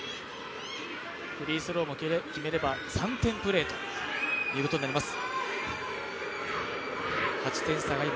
フリースローも決めれば３点プレーということになります。